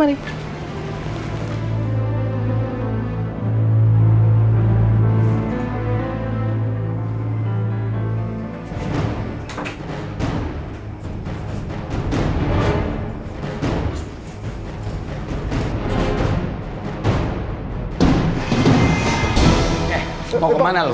mau kemana lu